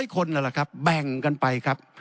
๑๐๐คนแล้วครับแบ่งกันไปครับ